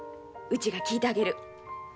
うちが聞いてあげる。